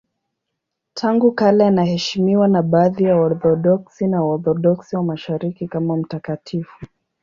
Tangu kale anaheshimiwa na baadhi ya Waorthodoksi na Waorthodoksi wa Mashariki kama mtakatifu.